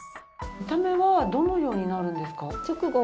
見た目はどのようになるんですか？